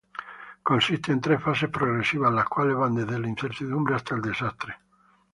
Consiste en tres fases progresivas, las cuales van desde la incertidumbre hasta el desastre.